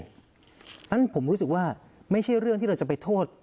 เพราะฉะนั้นผมรู้สึกว่าไม่ใช่เรื่องที่เราจะไปโทษ